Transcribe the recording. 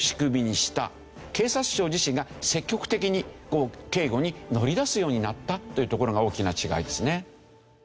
警察庁自身が積極的に警護に乗り出すようになったというところが大きな違いですね。